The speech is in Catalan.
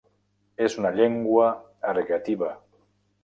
És una llengua ergativa.